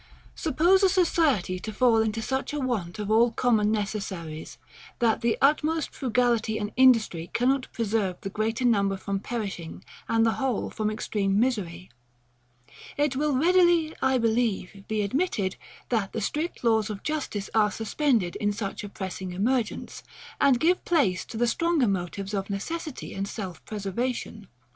Suppose a society to fall into such want of all common necessaries, that the utmost frugality and industry cannot preserve the greater number from perishing, and the whole from extreme misery; it will readily, I believe, be admitted, that the strict laws of justice are suspended, in such a pressing emergence, and give place to the stronger motives of necessity and self preservation.